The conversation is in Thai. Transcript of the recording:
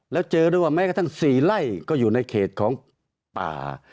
แล้วเจอด้วยว่าแม้กระทั่ง๔ไร่ก็อยู่ในเขตของป่า